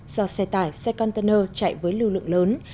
do xe tải xe container chạy với lưu lượng lớn